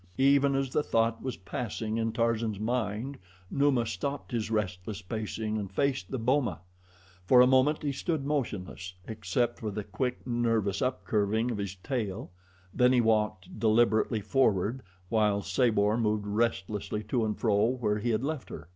Even as the thought was passing in Tarzan's mind, Numa stopped his restless pacing and faced the boma. For a moment he stood motionless, except for the quick, nervous upcurving of his tail, then he walked deliberately forward, while Sabor moved restlessly to and fro where he had left her.